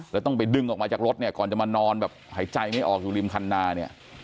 แล้วต้องไปดึงออกมาจากรถเนี่ยก่อนจะมานอนแบบหายใจไม่ออกอยู่ริมคันนาเนี่ย